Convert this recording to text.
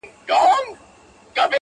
د پلټني سندرماره شـاپـيـرۍ يــارانــو،